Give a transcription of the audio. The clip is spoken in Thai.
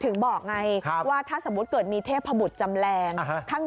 ถึงบอกไงว่าถ้าสมมุติเกิดมีเทพบุตรจำแรง